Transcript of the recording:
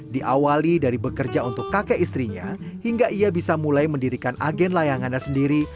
diawali dari bekerja untuk kakek istrinya hingga ia bisa mulai mendirikan agen layangannya sendiri